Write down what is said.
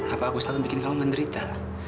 apa aku selalu bikin kamu menderita